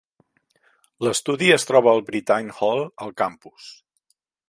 L'estudi es troba al Brittain Hall, al campus.